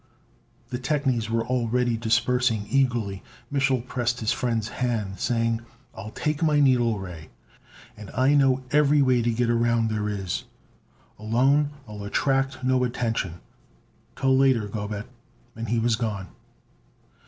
The technies were already dispersing eagerly. Mich'l pressed his friend's hand, saying: "I'll take my needle ray, and I know every way to get around there is. Alone, I'll attract no attention. Till later, Gobet!" And he was gone.